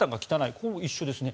これ、一緒ですね。